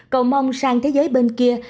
cầu mong sang thế giới bên kia